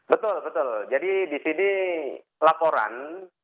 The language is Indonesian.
betul betul jadi disini laporan